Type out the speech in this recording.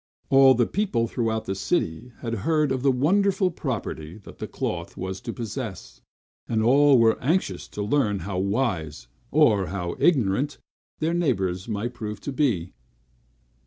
All the people throughout the city had heard of the wonderful property the cloth was to possess; and all were anxious to learn how wise, or how ignorant, their neighbors might prove to be.